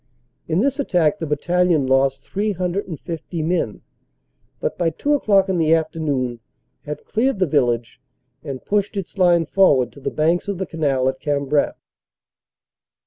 In this attack the bat talion lost 350 men but by two o clock in the afternoon had cleared the village and pushed its line forward to the banks of the canal at Cambrai.